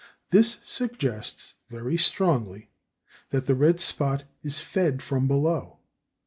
This suggests very strongly that the red spot is fed from below.